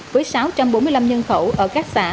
với sáu trăm bốn mươi năm nhân khẩu ở các xã